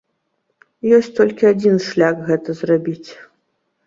Ёсць толькі адзін шлях гэта зрабіць.